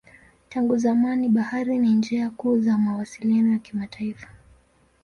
Tangu zamani bahari ni njia kuu za mawasiliano ya kimataifa.